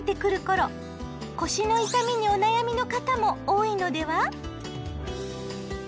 腰の痛みにお悩みの方も多いのでは？